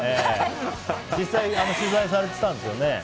実際取材されていたんですよね。